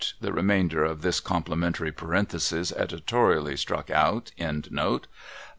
* The remainder of this complimentary parenthesis editorially struck out. Note.